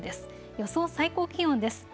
予想最高気温です。